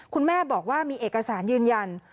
คุณแม่บอกว่ามีเอกสารยืนยัน